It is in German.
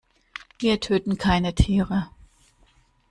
Wir töten keine Tiere.